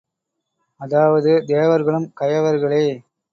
அதாவது தேவர்களும் கயவர்களே!